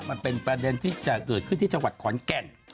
มันเป็นประเด็นที่จะเกิดขึ้นที่จังหวัดขอนแก่น